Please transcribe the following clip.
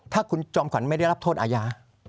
ถ้าคุณจอมขวัญไม่ได้รับโทษอาญา